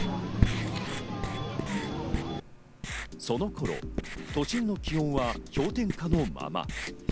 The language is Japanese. その頃、都心の気温は氷点下のまま。